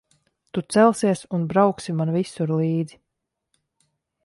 Tu celsies un brauksi man visur līdzi.